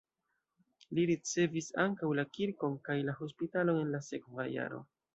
Li ricevis ankaŭ la kirkon kaj la hospitalon en la sekva jaro.